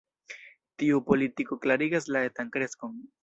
Tiu politiko klarigas la etan kreskon.